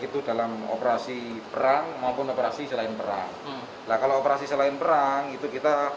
itu dalam operasi perang maupun operasi selain perang lah kalau operasi selain perang itu kita